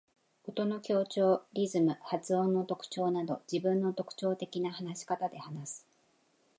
音の強調、リズム、発音の特徴など自分の特徴的な話し方で話す。